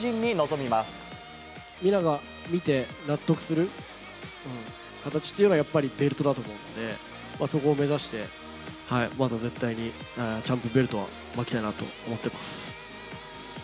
みんなが見て納得する形っていうのは、やっぱりベルトだと思うんで、そこを目指して、まずは絶対にチャンピオンベルトは巻きたいなと思ってます。